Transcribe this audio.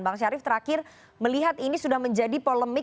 bang syarif terakhir melihat ini sudah menjadi polemik